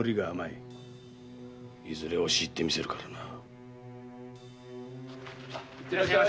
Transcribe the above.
〔いずれ押し入ってみせるからな〕